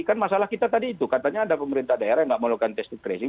kan masalah kita tadi itu katanya ada pemerintah daerah yang tidak melakukan testing tracing